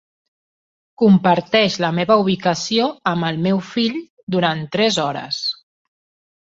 Comparteix la meva ubicació amb el meu fill durant tres hores.